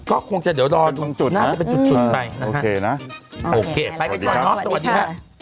ก็คงจะเดี๋ยวรอดูน่าจะเป็นจุดไปนะครับโอเคไปกันก่อนเนอะสวัสดีค่ะ